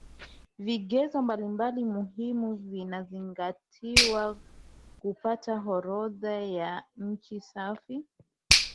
Vigezo mbalimbali muhimu vinazingatiwa kupata orodha ya nchi safi